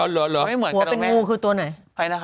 หัวเป็นงูคือตัวไหน